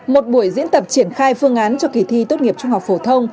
một buổi diễn tập triển khai phương án cho kỳ thi tốt nghiệp trung học phổ thông